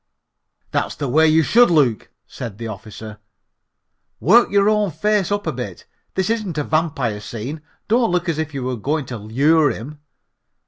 "That's the way you should look," said the officer, "work your own face up a bit. This isn't a vampire scene. Don't look as if you were going to lure him.